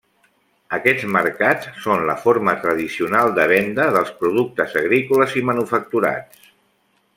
Aquests mercats són la forma tradicional de venda dels productes agrícoles i manufacturats.